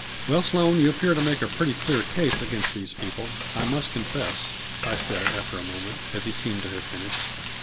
" Well, Sloane, you appear to make a pretty clear case against these people, I must confess," I said, after a moment, as he seemed to have finished.